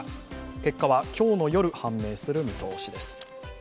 結果は今日の夜、判明する見通しです。